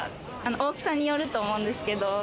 大きさによると思うんですけど。